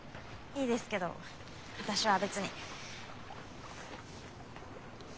いいですけど私は別に。